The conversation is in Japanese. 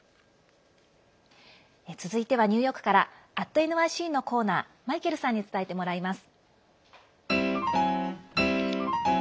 続いてはニューヨークから「＠ｎｙｃ」のコーナーマイケルさんに伝えてもらいます。